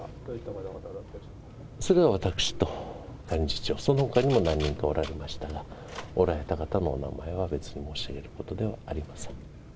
それは私と幹事長、何人かおられましたが、おられた方のお名前は別に申し上げることではありません。